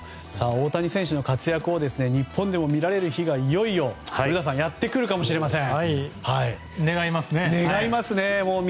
大谷選手の活躍を日本でも見られる日がいよいよ古田さんやってくるかもしれません。